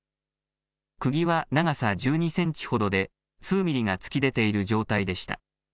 くぎは長さ１２センチほどで、数ミリが突き出ている状態でした。